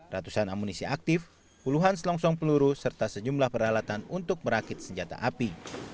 ratusan amunisi aktif puluhan selongsong peluru serta sejumlah peralatan untuk merakit senjata api